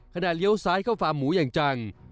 เลี้ยวซ้ายเข้าฟาร์มหมูอย่างจัง